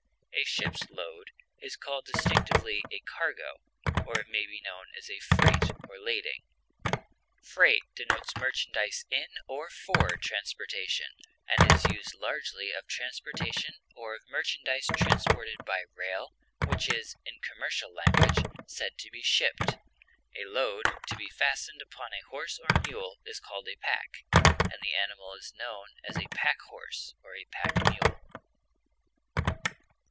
A ship's load is called distinctively a cargo, or it may be known as freight or lading. Freight denotes merchandise in or for transportation and is used largely of transportation or of merchandise transported by rail, which is, in commercial language, said to be "shipped." A load to be fastened upon a horse or mule is called a pack, and the animal is known as a pack horse or pack mule.